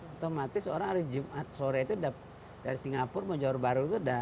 otomatis orang hari jumat sore itu udah dari singapura mojawarubaru sudah